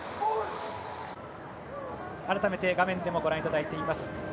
改めて画面でもご覧いただいています。